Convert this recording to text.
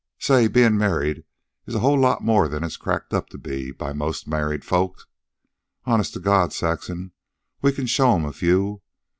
"Say, bein' married is a whole lot more than it's cracked up to be by most married folks. Honest to God, Saxon, we can show 'em a few.